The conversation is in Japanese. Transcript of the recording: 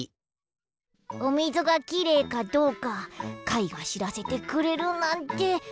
おみずがきれいかどうかかいがしらせてくれるなんてびっくりだね！